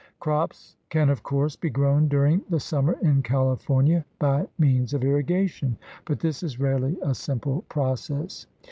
Crops can of course be grown during the sum mer in California by means of irrigation, but this is rarely a simple process.